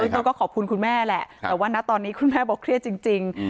ต้นก็ขอบคุณคุณแม่แหละแต่ว่านะตอนนี้คุณแม่บอกเครียดจริง